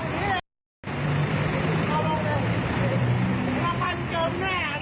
เยี่ยมมากครับ